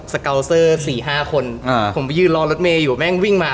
เกาเซอร์สี่ห้าคนอ่าผมไปยืนรอรถเมย์อยู่แม่งวิ่งมา